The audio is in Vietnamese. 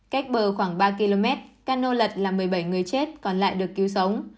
cách bờ khoảng ba km cano lật là một mươi bảy người chết còn lại được cứu sống